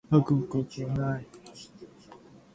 書くことない